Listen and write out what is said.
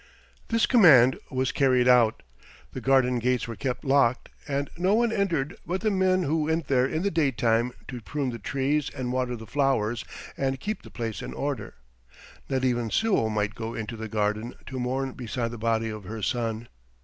This command was carried out. The garden gates were kept locked, and no one entered but the men who went there in the daytime to prune the trees and water the flowers and keep the place in order. Not even Suo might go into the garden to mourn beside the body of her son.